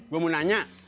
gue mau tanya